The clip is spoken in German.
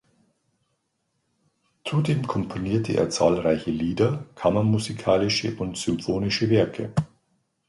Zudem komponierte er zahlreiche Lieder, kammermusikalische und symphonische Werke.